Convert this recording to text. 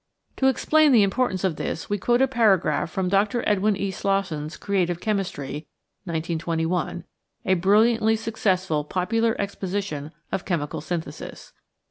H A H C C H A To explain the importance of this, we quote a paragraph from Dr. Edwin E. Slosson's Creative Chemistry (1921) a brilliantly successful popular exposition of chemical synthesis.